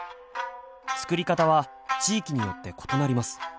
作り方は地域によって異なります。